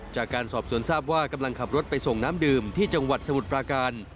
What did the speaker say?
จากการสอบสวนทราบว่ากำลังขับรถไปส่งน้ำดื่มที่จังหวัดสมุทรปราการ